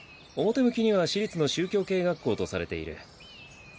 表向きには私立の宗教系学校とされている。